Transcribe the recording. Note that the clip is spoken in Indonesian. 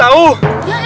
udah sakit tau